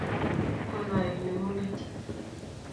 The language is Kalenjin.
Kono aek nengunget